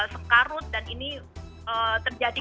sekarut dan ini terjadi